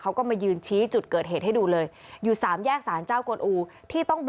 เขาก็มายืนชี้จุดเกิดเหตุให้ดูเลยอยู่สามแยกสารเจ้ากวนอูที่ต้อง